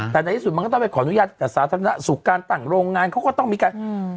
แต่ในที่สุดมันก็ต้องไปขออนุญาตกับสาธารณสุขการตั้งโรงงานเขาก็ต้องมีการอืม